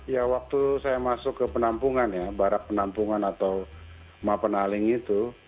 ya waktu saya masuk ke penampungan ya barak penampungan atau mapenaling itu